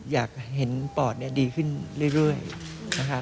อยากเห็นปอดดีขึ้นเรื่อยนะครับ